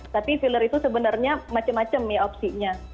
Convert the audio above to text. tapi filler itu sebenarnya macam macam ya opsinya